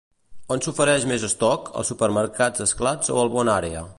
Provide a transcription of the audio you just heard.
On s'ofereix més estoc, als supermercats Esclat o al BonÀrea?